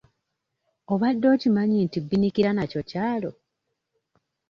Obadde okimanyi nti Bbinikira nakyo kyalo?